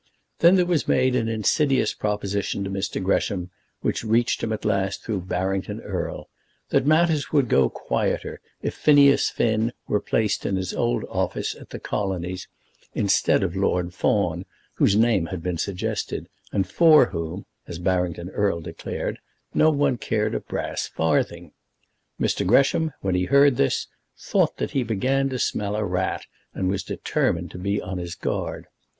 Then there was made an insidious proposition to Mr. Gresham, which reached him at last through Barrington Erle, that matters would go quieter if Phineas Finn were placed in his old office at the Colonies instead of Lord Fawn, whose name had been suggested, and for whom, as Barrington Erle declared, no one cared a brass farthing. Mr. Gresham, when he heard this, thought that he began to smell a rat, and was determined to be on his guard.